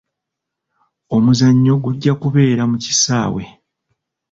Omuzannyo gujja kubeera mu kisaawe.